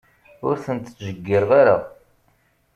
Ur tent-ttjeyyireɣ.